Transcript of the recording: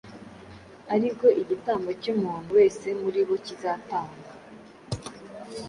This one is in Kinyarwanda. ari bwo igitambo cy’umuntu wese muri bo kizatangwa.